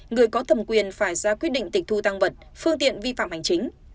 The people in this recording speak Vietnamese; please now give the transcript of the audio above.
người có thẩm quyền phải ra quyết định tịch thu tăng vật phương tiện vi phạm hành chính